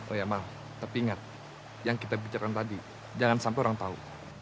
oh ya maaf tapi ingat yang kita bicarakan tadi jangan sampai orang tahu